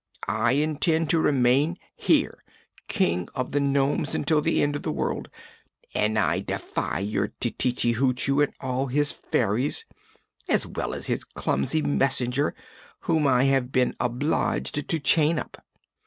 "I intend to remain here, King of the Nomes, until the end of the world, and I defy your Tititi Hoochoo and all his fairies as well as his clumsy messenger, whom I have been obliged to chain up!"